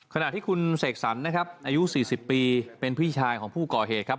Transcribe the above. ขณะที่คุณเสกสรรนะครับอายุ๔๐ปีเป็นพี่ชายของผู้ก่อเหตุครับ